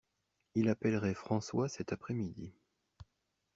Il appellerait François cet après-midi.